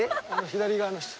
左側の人。